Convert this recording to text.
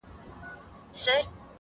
ددی کل هر فرد ځان ته امتیازي حیثیت لري